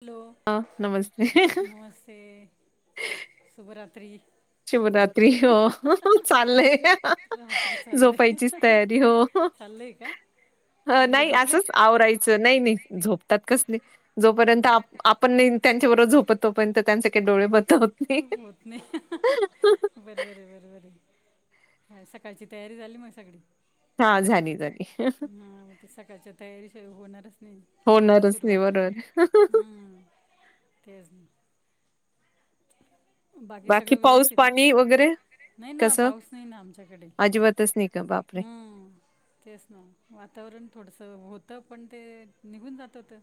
Hello हां, नमस्ते. नमस्ते शुभराात्री्री शिवरवरात्री हो चाललय झोपायचीच तयारी हो ल् का ह मुलं नाही झोपले असंच आवरायचं झोतात कस जोपर्यंत आपण त्यांबरोोत तोपर्यंत त्यांचे का डोळे बतवतते होत नाही बरबर आहे बरबर आहे काय सकाळची तयारी झाली मग सगळी हां, झाली, झाली. हा ते सकाळच्या तयारी होणारच नाही होणारच नाही सुरुवात बरोबर. हम्म! तेच. बाकी सगळं पाऊस व्यवस्थित. पाणी वगैरे नाही ना कसं? पाऊस नाही ना आमच्याकडे अजिबातच नाही का? बापरे! हम्म! तेच ना वातावरण थोडसं होतं पण ते निघून जात होतं.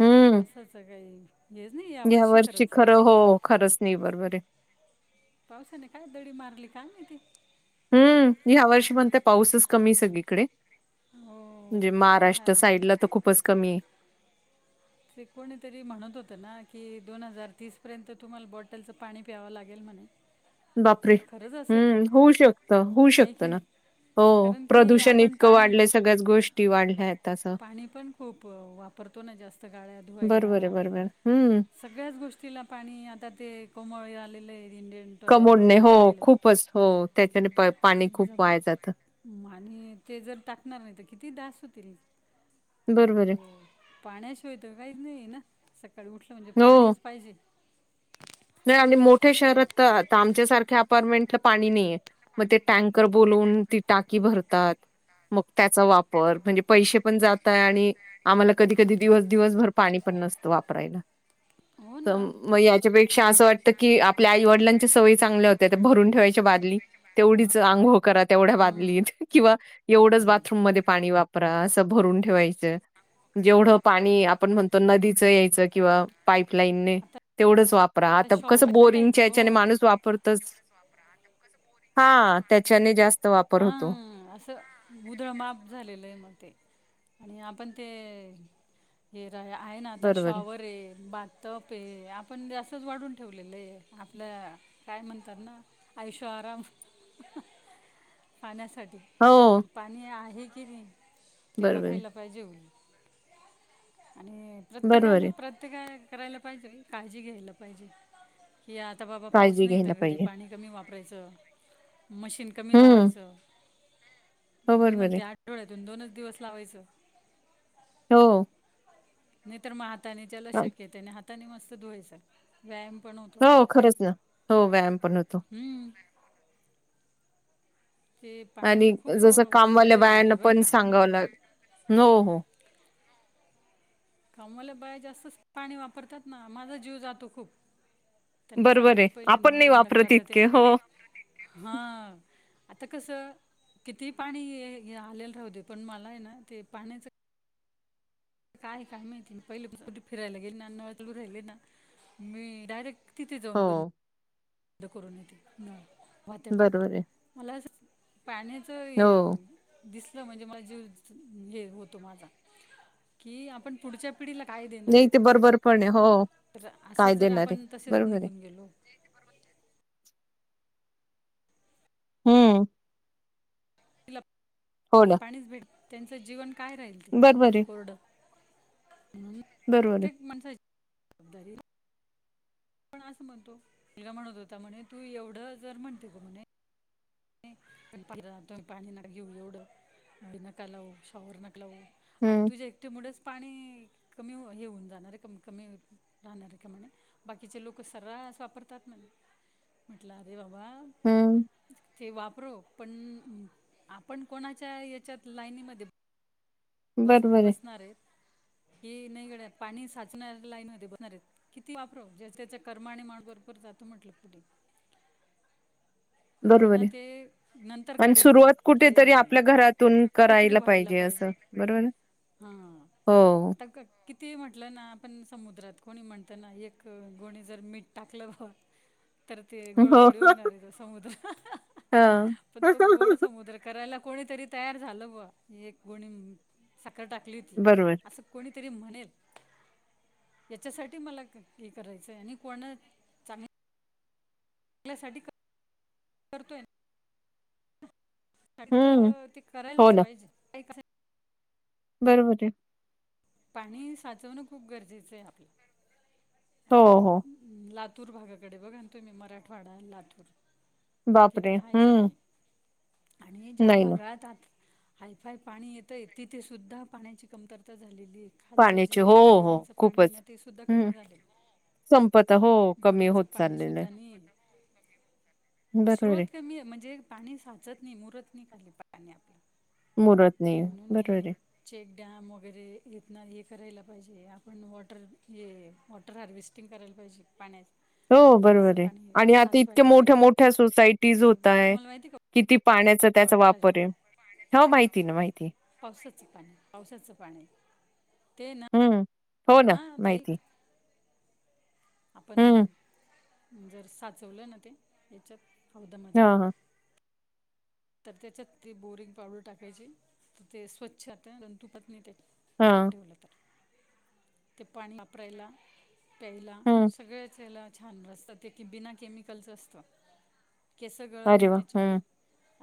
हं. ताच काही हेच नाही या वर्षी खरंच! हो हो खरंच नाही बरोबर आहे. पावसाने काय दडी मारली का माहित. हम् ह्या वर्षी म्हणताय पाऊसच कमी सगळीकडे. हो म्हणजे महाराष्ट्र हाय साईड ला तर खूपच कमी आहे. ते कोणीतरी म्हणत होतं ना की दोन हजार तीस पर्यंत तुम्हाला बॉटलचं पाणी प्यावं लागेल म्हणे. बापरे! ते खरंच असेल का हम्म होऊ शकत, होऊ नाही शकतं की ना. नाही हो. कारण की प्रदूषण आपण इतकं पाणी वाढलंय सगळ्याच गोष्टी वाढल्या आहेत असं. पाणी पण खूप वापरतो ना जास्त गाळ्या धुवायला. बरोबर आहे, बरोबर आहे. हं, सगळ्याच गोष्टीला पाणी आता ते कोमळे आलेलं आहेत इंडियन टॉय कमोडणे याचं हो टॉयलेट खूपच हो त्याच्याने पाणी खूप वाया जातं. आणि ते जर टाकणार नाही तर किती दास होतील बरोबर आहे. हम. पाण्या शिवायत काही नाही ना, सकाळी उठलं म्हणजे हो, पाणीच पाहिजे. नाही आणि मोठ्या शहरात तर आता आमच्यासारख्या अपार्टमेंटला पाणी नाहीय. मग ते टँकर बोलून ती टाकी भरतात. मग त्याचा वापर म्हणजे पैसे पण जातय आणि आम्हाला कधी कधी दिवस दिवस भर पाणी पण नस वापराय हो ना मग याच्या पेक्षा असं वाटतं की आपल्या आई वडिलांच्या सवयी चांगल्या होत्या. तर भरून ठेवायच्या बादली तेवढीच अंग करा तेवढ्या बादलीत किंवा एवढंच बाथरूम मध्ये पाणी वापरा असं भरून ठेवायचं. जेवढं पाणी आपण म्हणतो नदीचं यायचं किंवा पाईपलाईनने. आता तेवढंच वापरा. आता कसं शॉवर ना ताई बोअरिंगच्या याच्याने हो माणूस वापरतच. हा त्याच्याने जास्त वापर होतो. मुदळ माप झालेलं आहे मग ते आणि आपण ते हे र आहे ना. आता शॉवर आहे, बाथटब आहे, आपण जास् आत्ताच वाढून ठेवलेल आहे, आपल काय म्हणतात ना ऐशो आराम. पाण्यासाठी. हो. पण पाणी आहे की नाही, ते बरोबर आहे. बघायला पाहिजे हो हम्म. बरोबर प्रत्येकाने, आहे. प्रत्येकाने करायला पाहिजे, काळजी घ्यायला पाहिजे. की आता बाबा पाऊस काळजी नाही घ्यायला तर घरी पाहिजे. पाणी कमी वापरायचं. मशीन कमी हं, लावायचं. हो, मी बरोबर आहे. म्हणते, आठवड्यातून दोनच दिवस लावायचं. हो. नाही तर मग हाताने ज्याला शक्य त्याने हाताने मस्त धुवायच व्यायाम पण होत. हो खरंच ना. हो व्यायाम पण होतो. हम्म, ते आणि पाण्याचं खूप जसं अ, कामवाल्या पुढे हे बायांना बरं पण का सांगाव ला नो हो. कामवाल्या बाया जास्तच पाणी वापरतात ना माझा जीव जातो खूप. त्यांना सांगते बरोबर आहे बाई पहिले आपण नळ नाही बंद करा वापरत त्या इतके हो. हां. आता कसं कितीही पाणी ये आलेलं राहू दे पण मला आहे ना ते पाण्याचं काय आहे काय माहिती पहिले पासून फिरायला गेले ना नळ तोडू राहिले ना मी डायरेक्ट तिथे हो जाऊन बंद द करून येते, म त्या पाण्याला बरोबर आहे. मला अस पाण्याच य हो दिसलं म्हणजे मला जीव हे होतो माझा की आपण पुढच्या पिढीला काय देणार नाही ते बरोबर पण आहेत आहे हो तर असं काय जर देणार आहे आपण तसेच बरोबर आहे. निघून गेलो परवा. [unintelligible] हम्म! क्लब. हो, ना. भेट. त्यांचं जीवन काय राहील ते, बरोबर आहे कोरड. हुं. बरोबर आहे प्रत्येक माणसाची, दरी. पण असं म्हणतो. तिला म्हणत होता म्हणे. तू एवढं जर म्हणते ग म्हणे. [unintelligible] तुम्ही पाणी नका घेऊ एवढं. [unintelligible] नका लावू. शॉवर नक लाऊ. आणि हम्म तुझ्या एकटी मुळेच पाणी कमी हे होऊन जाणारे कमी. कमी राहणारय का म्हणे? बाकीचे लोकं सर्रास वापरतात म्हने. म्हटलं अरे बाबा हम्. ते वापरो. पण आपण कोणाच्या, याच्यात लाईनीमध्ये बस - बरोबर आहे. बसणारयत, की नाही गड्या पाणी साचणार लाईन मधे होणारयत. किती वापरो. ज्याच्या - त्याच्या कर्माने माणूस बरोब्बर जातो म्हटलं, पुढे. त्यांना बरोबरय. ते नंतर अन्, कळेल ते सुरुवात की कुठेतरी अरे आपल्या घरातून कुठेतरी करायला व्हायला पाहिजे, असं. बरोबरय. हां. आता कट कितीही म्हटलं ना. आपण समुद्रात, कोणी म्हणतं ना. एक गोणी जर मीठ टाकलं. बाबा तर ते गोड हो थोडी होणारय तो समुद्र. [unintelligible] हा पण तो गोड समु द्र करायला कोणीतरी तयार झालं बुवा. एक गोणी म साखर टाकली होती. बरोबर असं कोणीतरी म्हणेल. याच्यासाठी मला क हे करायचंय. आणि कोणा आपल्यासाठी क करतोय का तर, हम्म ते हो करायलाच पाहिजे, [unintelligible] बरोबरय. पाणी साचवणं खूप गरजेचंय आपलं. हो आता हो लातूर भागाकडे बघा न तुम्ही. मराठवाडा, लातूर. तिथे बापरे! आहे का हम्म. काही आणि ज्या नाही ना. भागात आत हायफाय पाणी येतय, तिथे सुद्धा पाण्याची कमतरता झालेलीय. खालच पाण्याची जे हो, हो बोरिंगच पाणी खूपच. ना, ते सुद्धा हं, कमी झालेय. संपत हो कमी बोरिंगचं होत चाललेलं आहे. पाणीसुद्धा नेल [unintelligible] बरोबर स्रोत आहे. कमीय. म्हणजे पाणी साचत नाही, मुरत नाही. खाली पाणी आपले. मुरत नाही म्हणून बरोबर आहे. एक चेक डॅम मो वगैरेयेतना हे करायला पाहिजे, आपण वॉटर हे, वॉटर हार्वेस्टिंग करायला पाहिजे. पाण्याच. हो, बरोबरय. आणि आता इतक्या मोठ्या पाहिजे -मोठ्या सोसायटीज होत बुवा ताय, तुम्हाला माहिती आहे किती पाण्याचा त्याचा वापरय. त्याचा तर वापरय. पावसाच पाणी, पावसाचं पाणीय. ते ना हम्म. हो ना, माहितीय. आपण, हं, जर साचवलं ना ते, ह्याच्यात, हौदामध्ये. हां, हां, तर त्याच्यात ती बोरिंग पावडर टाकायची. तर ते स्वच्छ आता जंतु पण टिकत नाही तेत. झाकून हां, ठेवलं तर, ते पाणी वापरायला प्यायला, हं. सगळ्याच ह्याला छान रस्त ते की, बिना केमिकलस असतं. केसं गळत अरे नाही वाह! त्याच्यामुळे. हं,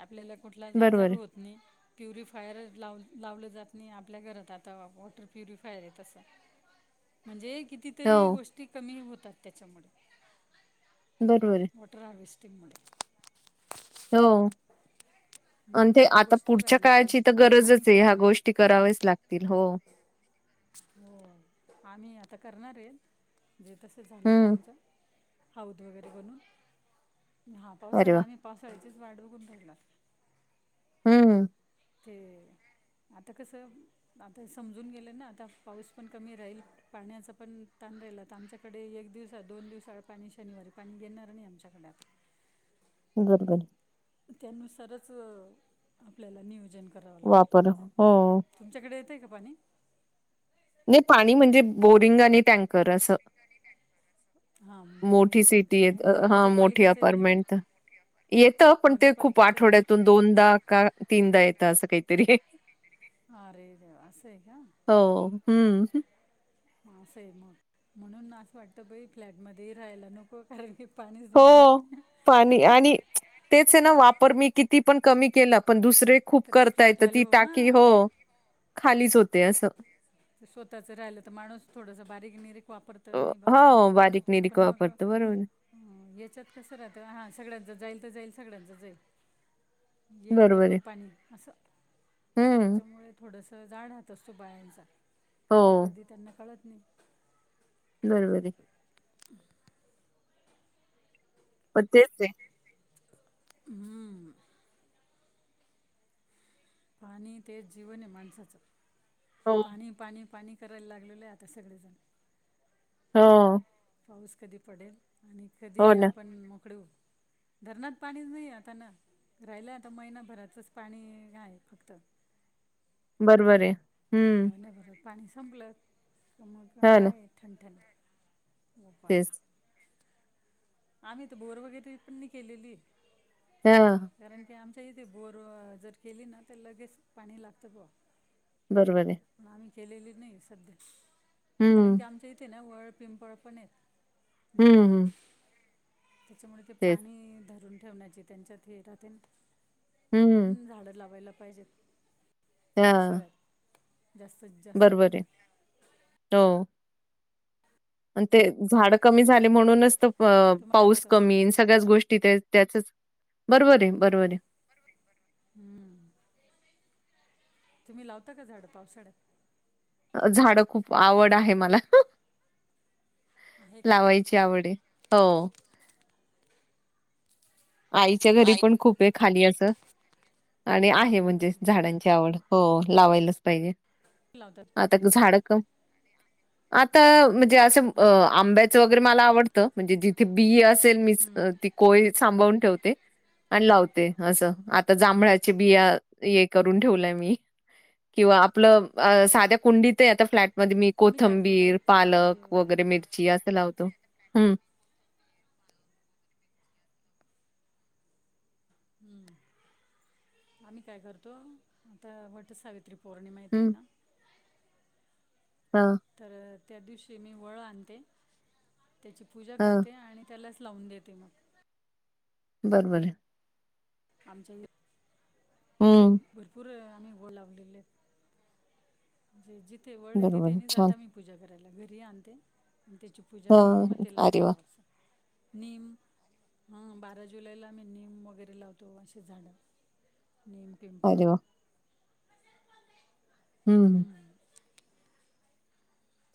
आपल्याला कुठलाच बरोबर आजार आहे. होत नाही. प्युरिफायर लाव -लावलं जात नाही. आपल्या घरात आता वॉटर प्युरिफायरय तसं. म्हणजे कितीतरी हो, गोष्टी कमी होतात, त्याच्यामुळे. बरोबरय. वॉटर हारवेस्टिंगमुळे. हो. [inaudible] अन् ते या आता गोष्टी पुढच्या व्हायला काळाची तर पाहिजेत आम्ही गरजचय. काय ह्या गोष्टी कराव्याच लागतील, हो. हो. आम्ही आता करणारय. जे तसं झालेलं हं, आमचं. हाऊद वगैरे बनून, हा अरे पावसाळा, वाह! आम्ही पावसाळ्याचीच वाट बघून ह ना [unintelligible] ह्म. हे, आता कसऽ? आता समजून गेले ना, आता पाऊस पण कमी राहील. पाण्याचा पण ताण राहिला, तर आमच्याकडे एक दिवसा दोन दिवसा पाणी शनिवारी पाणी घेणार नाही आमच्याकडे. बरबर. त्यानुसारच आपल्याला नियोजन करावं लागेल. वापर हो तुमच्याकडे येत य का पाणी? नइ पाणी म्हणजे बोरिंग आणि टँकर असं. हां बोरिंग मोठी आणि टँकर सिटी यत हे हा मोठी नगरपालिकेचं येत नाही का अपार्टमेंट. येतं पण ते खूप नगरपालिकेचं येत आठवड्यातून दोनदा का तीनदा येतं असं काहीतरी. आ रे देवा आसय का? हो हम्म हां आसय मग. म्हणून असं वाटतं बई फ्लॅट मध्ये राहायला नको, कारण की पाणीच येत हो नाई. पाणी आणि तेच येना, वापर मी किती पण कमी केला, पण दुसरे खूप तर ते करताय तर फ्लॅटवाले ती टाकी हां हो, खालीच होते असं. ते स्वतःच राहिलं तर माणूस थोडस बारीक निरिक वापरत अ, नाही बाबा हे हो नाही करू बारीक ते निरीक पण मग वापरतो बरोबर आहे ह्म याच्यात कसं राहतं, हा सगळ्यांच जाईल तर जाईल, सगळ्यांच जाईल. येईल बरोबर पाणी असं, हम्म त्याच्यामुळे थोडस जड हात त असतो बायांचा, हो कधी कधी त्यांना कळत नाही. बरोबर ये. पन तेच ते हम्म. पाणी तेच जीवन ये माणसाचं, हो पाणी, पाणी, पाणी करायला लागलेलो ये आता सगळेजण. हो. पाऊस कधी पडेल आणि कधी हो ना आपण मोकळे होऊ? धरणात पाणीच नाही आता ना, राहिलं आता महिनाभराचंच पाणी आहे फक्त. बरबर ये. महिन्याभरात पाणी संपलं, क मग हां ना. हाये ठणठण गोपाला. तेच. आम्ही तर बोर वगैरे पण नई केलेली. हा [unintelligible] कारण की आमच्या इथे बोर जर केली ना, तर लगेच पाणी लागतं बुआ. बरबर ये. पण आम्ही केलेली नाही ये सध्या, कारण हं. की आमच्या इथे ना वळ पिंपळपणे, हं, नियेमे हं. त्याच्यामुळे ते तेच. पाणी धरून ठेवण्याचे त्यांच्यात हे राहतेना. हं. म्हणून झाडं लावायला पाहिजेत, हां. पावसाळ्यात. जास्तत जास्त करून. टो. आणि ते झाड कमी झाले म्हणूनच, तर तुम्हाला काय पाऊस वाटतं कमी सगळ्याच गोष्टी ते. त्याचच बरोबर-बरोबर ये. हम्म तुम्ही लावता का झाडं पावसाळ्यात? अं झाड खूप आवड आहे मला, आहे का लावाय चीं आवड ये, हो. आईच्या घरी पण खूपये खाली असं आणि आहे लावायला म्हणजे पाहिजे झाडांची आवड. हो लावायलाच पाहिजे. लावतात. आता क झाड कमआत्ता म्हणजेअसं अ हो अंब्या च वेगेरे मला आवडत म्हणजे जिथे बी असेल मीच ते कोय सांभाळून ठेवते आणि लावते अस आता जांभळाची बिया हे करून ठेवलंय मी किंवा आपलं साध्या कुंडीत ते आता फ्लॅट मध्ये मी आम्ही काय करतो ताई कोथंबीर म्हणजे पालक वगैरे मिरची असं लावतो् हम्म हम्म आम्ही काय करतो आता वट सावित्री पोरांनी माहितय हं. ना हा. तर त्या दिवशी मी वळं आणते त्याची पूजा हां. करते आणि त्यालाच लावून देते मग बरं बरोबर हाय आमच्या अ शे हं. भरपूर आणि गो लावलेले आहेत. जे जिथे वड आहे बरोबर तिथे नाही छान. जाता मी पूजा करायला घरी आणते आणि त्याची पूजा करून हां. म तेे अरे लावते वाह! जरास. नीम हा बारा जुलैला मी नीम वगैरे लावतो असे झाडं. निम पिंपळ अरे वाह! हं. हम्म.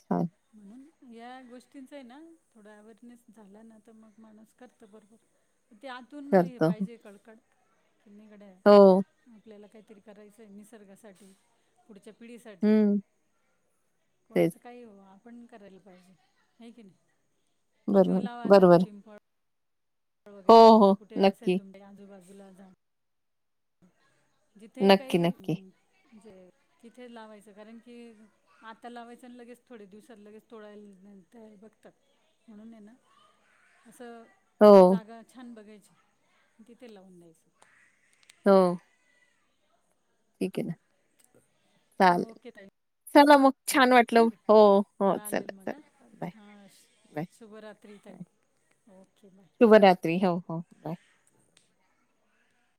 छान. म्हणून या गोष्टींचा आहे ना थोडा अवेरनेस झाला ना तर मग माणूस करतो बरोबर ते आतून हे करतो. पाहिजे कळकळ किनीकडे - हो. आपल्याला काहीतरी करायचंय निसर्गासाठी. पुढच्या पिढीसाठी हं. तेच. कोणाच काही हो वो. पण करायला पाहिजे हायकी नाही तुम्ही बरोबर. लावा आता बरोबर. पिंपळ - हो, वगैरे हो. कुठे नक्की. असेल तुमच्या आजूबाजूला जाऊ न जिथे नक्की, काही नक्की. म्हणजे तिथे लावायचं कारण की आता लावायचं आणि लगेच थोडे दिवसात लगेच तोळायला काय बघतात. म्हणून आहे ना असं हो, जागा छान बघायची तिथे लावून द्यायचं. हो. ठीक आहे ना. [unintelligible] चालेल. ओके ताई चला मग छान वाटलं हो हो चालेल मग चला हां चला हां बाय. शुभरात्री ताई ओके बाय. -त्री हो हो बाय.